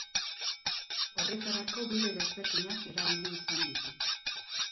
Horretarako bide desberdinak erabili izan ditu.